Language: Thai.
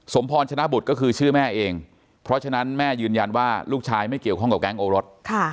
พรชนะบุตรก็คือชื่อแม่เองเพราะฉะนั้นแม่ยืนยันว่าลูกชายไม่เกี่ยวข้องกับแก๊งโอรส